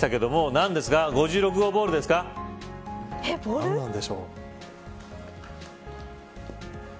何なんでしょう。